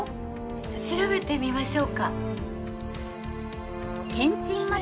調べてみましょうか。